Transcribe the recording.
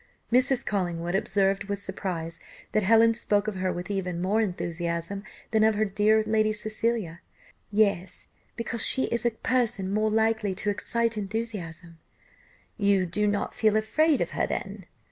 Mrs. Collingwood observed with surprise, that Helen spoke of her with even more enthusiasm than of her dear Lady Cecilia. "Yes, because she is a person more likely to excite enthusiasm." "You did not feel afraid of her, then?"